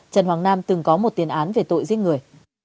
trần hoàng nam từng có một tiền án về tội giết người